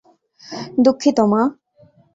দুঃখিত, মা!